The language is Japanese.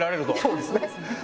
そうですね。